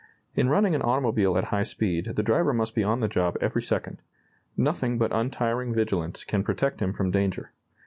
In running an automobile at high speed the driver must be on the job every second. Nothing but untiring vigilance can protect him from danger.